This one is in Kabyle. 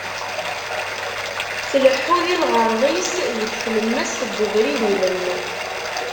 Tleḥḥu di lɣerḍ-is deg tlemmast n ubrid ilem.